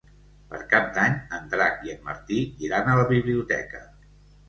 Per Cap d'Any en Drac i en Martí iran a la biblioteca.